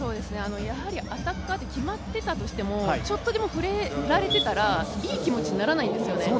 やはりアタッカーって、決まっていたとしてもちょっとでも触れられてたらいい気持ちにならないんですよね。